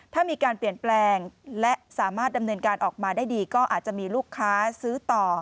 ถ้ามีการเปลี่ยนแปลงและสามารถดำเนินการออกมาได้ดีก็อาจจะมีลูกค้าซื้อต่อ